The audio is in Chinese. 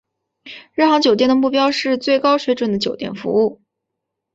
日航酒店的目标是最高水准的酒店服务。